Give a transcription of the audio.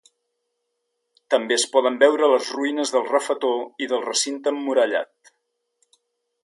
També es poden veure les ruïnes del refetor i del recinte emmurallat.